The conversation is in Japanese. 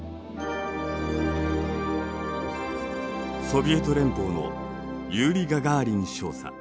ソビエト連邦のユーリ・ガガーリン少佐。